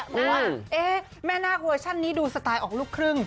ไม่แม่หน้าเวอร์ชั่นนี้ดูสไตล์ออกลูกครึ่ง